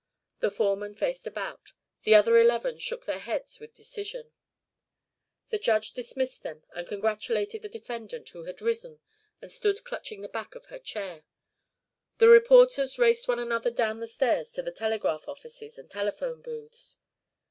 The foreman faced about. The other eleven shook their heads with decision. The Judge dismissed them and congratulated the defendant, who had risen and stood clutching the back of her chair. The reporters raced one another down the stairs to the telegraph offices and telephone booths.